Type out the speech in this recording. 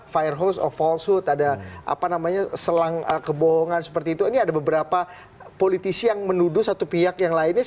firehouse of falsehood ada apa namanya selang kebohongan seperti itu ini ada beberapa politisi yang menuduh satu pihak yang lainnya